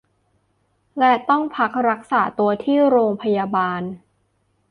และต้องพักรักษาตัวที่โรงพยาบาล